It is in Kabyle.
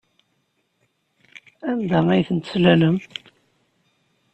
Anda ay tent-teslalem?